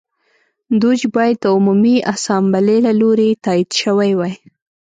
دوج باید د عمومي اسامبلې له لوري تایید شوی وای